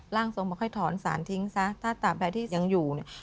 ร่างทรงบอกให้ถอนสารทิ้งซะถ้าตามใดที่ยังอยู่เนี่ย